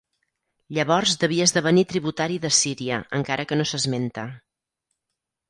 Llavors devia esdevenir tributari d'Assíria encara que no s'esmenta.